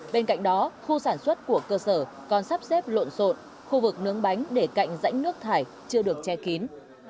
bên cạnh đó khu sản xuất của cơ sở còn sắp xếp lộn xộn khu vực nướng bánh để cạnh rãnh nước thải chưa được che kín